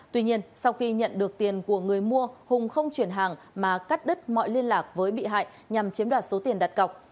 tuy nhiên sau khi nhận được tiền của người mua hùng không chuyển hàng mà cắt đứt mọi liên lạc với bị hại nhằm chiếm đoạt số tiền đặt cọc